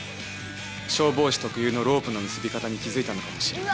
消防士特有のロープの結び方に気付いたのかもしれない。